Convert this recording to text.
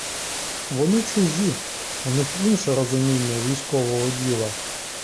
Вони чужі, у них інше розуміння військового діла.